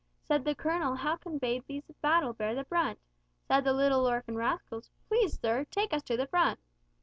Said the Colonel, 'How can babies of battle bear the brunt?' Said the little orphan rascals, 'please Sir, take us to the front!